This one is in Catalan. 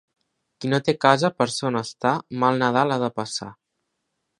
Qui no té casa per son estar, mal Nadal ha de passar.